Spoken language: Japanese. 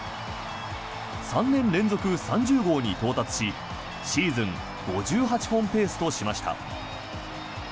３年連続３０号に到達しシーズン５８本ペースとしました。